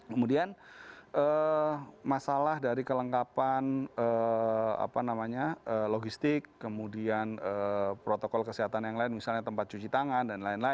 kemudian masalah dari kelengkapan logistik kemudian protokol kesehatan yang lain misalnya tempat cuci tangan dan lain lain